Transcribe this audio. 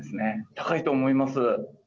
高いと思います。